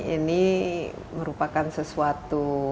ini merupakan sesuatu